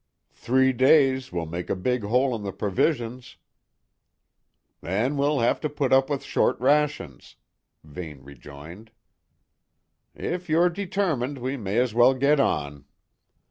"Three days will make a big hole in the provisions." "Then we'll have to put up with short rations," Vane rejoined. "If you're determined, we may as well get on."